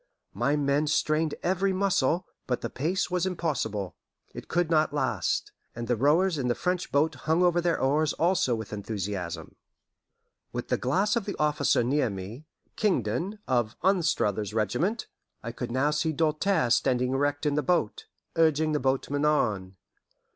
My men strained every muscle, but the pace was impossible it could not last; and the rowers in the French boat hung over their oars also with enthusiasm. With the glass of the officer near me Kingdon of Anstruther's Regiment I could now see Doltaire standing erect in the boat, urging the boatmen on.